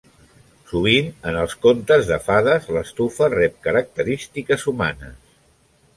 Sovint, en els contes de fades, l'estufa rep característiques humanes.